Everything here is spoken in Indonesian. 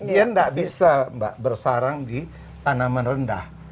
dia tidak bisa mbak bersarang di tanaman rendah